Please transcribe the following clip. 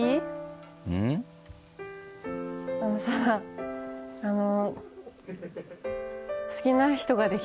あのさあの。